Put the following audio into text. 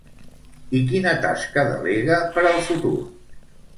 I quina tasca delega per al futur?